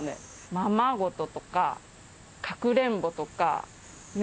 ままごととかかくれんぼとか。